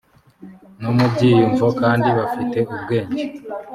no mu byiyumvo kandi bafite ubwenge